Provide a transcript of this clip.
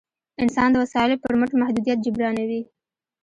انسان د وسایلو پر مټ محدودیت جبرانوي.